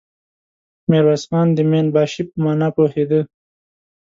ميرويس خان د مين باشي په مانا پوهېده.